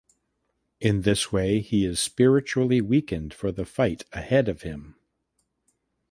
In this way he is spiritually weakened for the fight ahead of him.